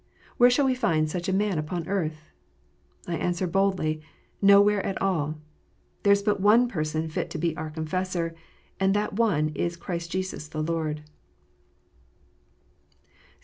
Where shall we find such a man upon earth? I answer boldly, Nowhere at all! There is but one Person fit to be our Con fessor, and that one is Christ Jesus the Lord.